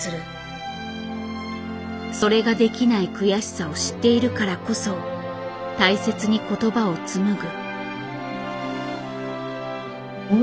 それができない悔しさを知っているからこそ大切に言葉をつむぐ。